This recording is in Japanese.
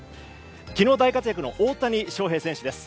昨日大活躍の大谷翔平選手です。